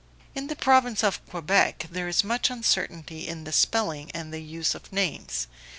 In the Province of Quebec there is much uncertainty in the spelling and the use of names.